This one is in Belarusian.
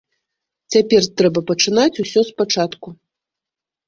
Цяпер трэба пачынаць усё спачатку.